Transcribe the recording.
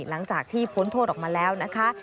หลังจากที่พ้นโทษออกมาแล้วนะคะ